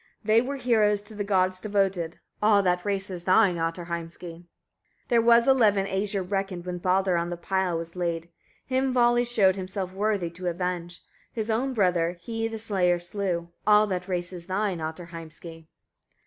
They were heroes to the gods devoted. All that race is thine, Ottar Heimski! 29. There were eleven Æsir reckoned, when Baldr on the pile was laid; him Vali showed himself worthy to avenge, his own brother: he the slayer slew. All that race is thine, Ottar Heimski!